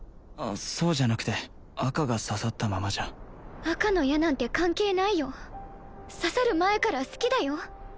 ああそうじゃなくて赤が刺さったままじゃ赤の矢なんて関係ないよ刺さる前から好きだよ